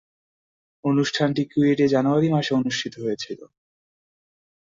অনুষ্ঠানটি কুয়েটে জানুয়ারি মাসে অনুষ্ঠিত হয়েছিলো।